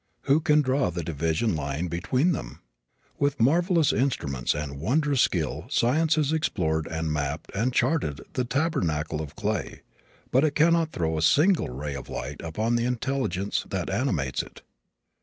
Who can draw the division line between them? With marvelous instruments and wondrous skill science has explored and mapped and charted the "tabernacle of clay," but it cannot throw a single ray of light upon the intelligence that animates it.